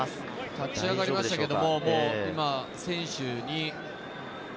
立ち上がりましたけど、今、選手に。